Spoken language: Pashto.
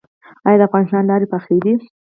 آیا د افغانستان لارې پاخه دي؟